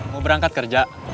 mau berangkat kerja